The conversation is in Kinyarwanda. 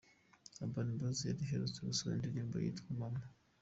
Urban Boyz yari iherutse gusohora indirimbo yitwa ’Mama’.